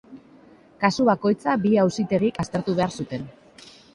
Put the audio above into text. Kasu bakoitza bi auzitegik aztertu behar zuten.